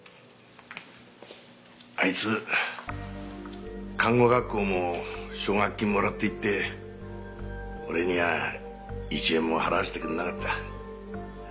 あいつ看護学校も奨学金もらって行って俺には一円も払わせてくれなかった。